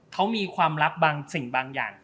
เขามีความลับบางสิ่งบางอย่าง